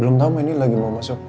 belum tau mbak ini lagi mau masuk